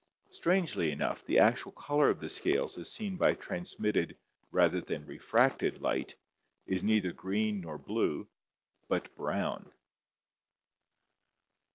Strangely enough, the actual color of the scales as seen by transmitted rather than refracted light is neither green nor blue, but brown.